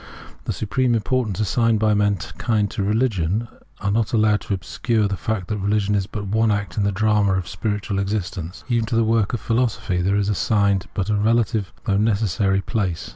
The supreme importance assigned by mankind to religion is not allowed to obscure the fact that reUgion is but one act in the drama of spiritual existence. Even to the work of philosophy there is assigned but a relative, though necessary, place.